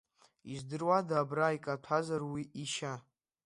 Издыруада абра икаҭәазар уи ишьа?